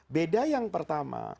beda yang pertama